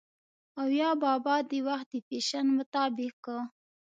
او يا بابا د وخت د فېشن مطابق